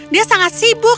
dia sangat sibuk